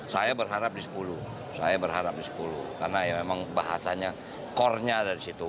saya berharap di sepuluh karena memang bahasanya core nya dari situ